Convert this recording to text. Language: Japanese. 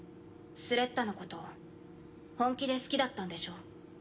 スレッタのこと本気で好きだったんでしょ？